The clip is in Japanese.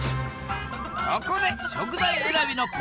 ここで食材選びのポイント！